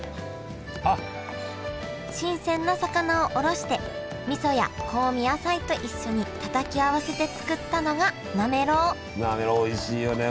新鮮な魚をおろしてみそや香味野菜と一緒にたたき合わせて作ったのがなめろうおいしいよね。